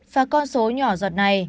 và con số nhỏ giọt này